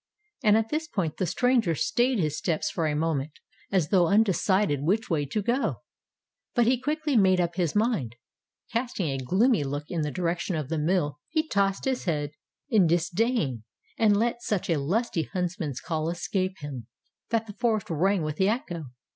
And at this point, the stranger stayed his steps for a moment, as though undecided which way to go. But he quickly made up his mind. Casting a gloomy look in the direc tion of the mill, he tossed his head in dis 120 Tales of Modem Germany dain, and let such a lusty huntsman's call escape him, that the forest rang with the echo.